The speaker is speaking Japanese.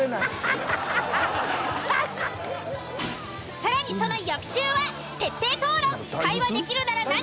更にその翌週は徹底討論。